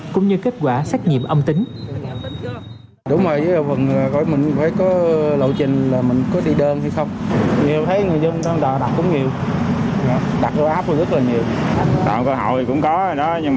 cũng như kết quả xét nghiệm âm tính